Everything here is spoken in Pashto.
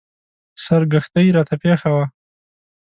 سرګښتۍ راته پېښه وه.